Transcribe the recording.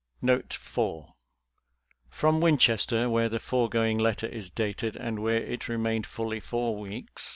Note 4 — From Winchester, where the foregoing letter is dated, and where it remained fully four weeks.